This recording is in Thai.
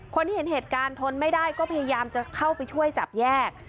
คนที่เห็นเหตุการณ์ทนไม่ได้ก็พยายามจะเข้าไปช่วยจับแยก